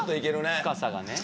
深さがね。